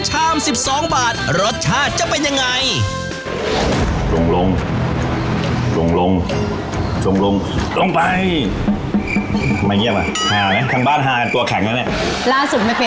เถอะสองบาทอ่าชามนี้มีแค่หนึ่งลูก